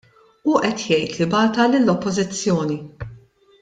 Hu qed jgħid li bagħatha lill-Oppożizzjoni.